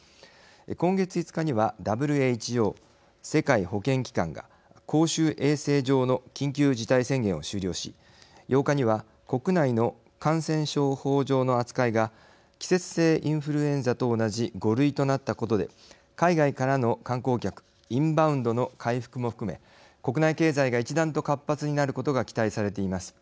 今月５日にはＷＨＯ＝世界保健機関が公衆衛生上の緊急事態宣言を終了し、８日には国内の感染症法上の扱いが季節性インフルエンザと同じ５類となったことで海外からの観光客インバウンドの回復も含め国内経済が一段と活発になることが期待されています。